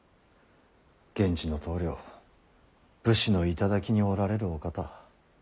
源氏の棟梁武士の頂におられるお方。